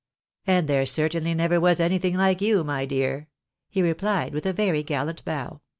" And there certainly never was anything like you, my dear," he rephed, with a very gallant bow.